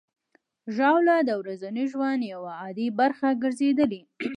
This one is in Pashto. ژاوله د ورځني ژوند یوه عادي برخه ګرځېدلې.